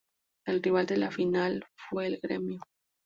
El rival de la final fue el Grêmio.